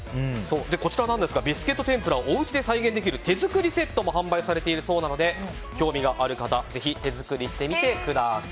ビスケット天ぷらをおうちで再現できる手作りセットも販売されているそうなので興味がある方ぜひ手作りしてみてください。